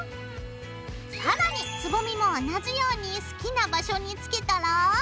更につぼみも同じように好きな場所につけたら。